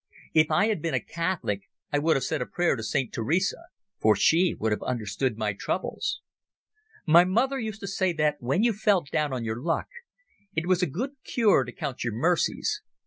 If I had been a Catholic I would have said a prayer to St Teresa, for she would have understood my troubles. My mother used to say that when you felt down on your luck it was a good cure to count your mercies.